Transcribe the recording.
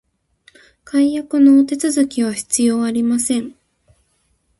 解約のお手続きは必要ありません